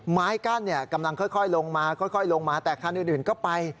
ไม้กั้นกำลังค่อยลงมาแต่ขั้นอื่นก็ไป